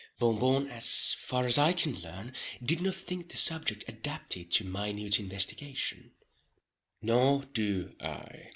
Bon Bon, as far as I can learn, did not think the subject adapted to minute investigation;—nor do I.